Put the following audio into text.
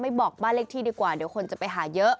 บอกบ้านเลขที่ดีกว่าเดี๋ยวคนจะไปหาเยอะ